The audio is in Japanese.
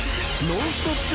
ノンストップ！